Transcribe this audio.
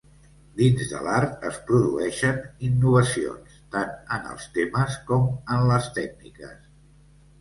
Dins de l'art es produeixen innovacions, tant en els temes com en les tècniques.